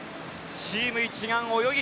チーム一丸泳ぎ